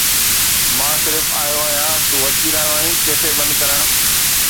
مان صرف آيو آهيان، تون اچي رهيو آهين ڪيفي بند ڪرڻ.